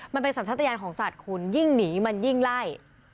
มันเป็นสัญชาติยานของสัตว์คุณยิ่งหนีมันยิ่งไล่